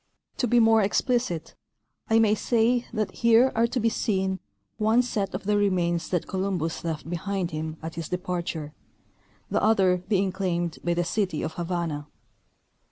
To be more explicit, I may say that here are to be seen one set of the remains that Columbus left behind him at his departure, the other being claimed by the city of Havana.